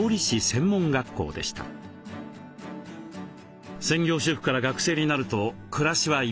専業主婦から学生になると暮らしは一変。